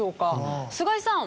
菅井さん